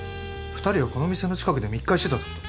２人はこの店の近くで密会してたってこと？